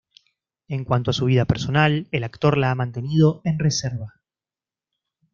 En cuanto a su vida personal, el actor la ha mantenido en reserva.